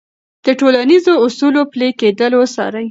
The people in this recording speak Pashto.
د ټولنیزو اصولو پلي کېدل وڅارئ.